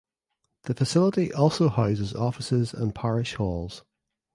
The facility also houses offices and parish halls.